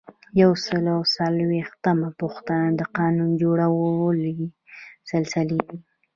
یو سل او څلویښتمه پوښتنه د قانون جوړونې سلسلې دي.